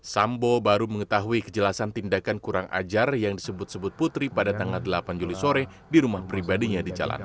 sambo baru mengetahui kejelasan tindakan kurang ajar yang disebut sebut putri pada tanggal delapan juli sore di rumah pribadinya di jalan